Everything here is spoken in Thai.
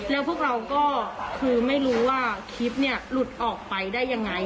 แล้วพวกเราก็คือไม่รู้ว่าคลิปเนี่ยหลุดออกไปได้ยังไง